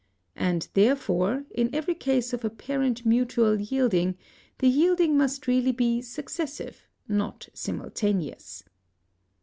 And therefore in every case of apparent mutual yielding, the yielding must really be successive, not simultaneous.